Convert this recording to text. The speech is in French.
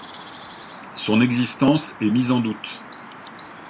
Son existence est mise en doute.